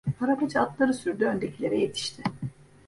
Arabacı atları sürdü, öndekilere yetişti.